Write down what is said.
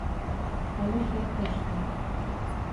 Але шот ыш лий.